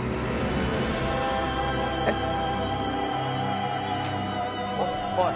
えっ？おおい！